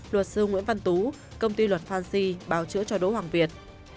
luật sư nguyễn văn tú công ty luật phan xi bào chữa cho đỗ hoàng việt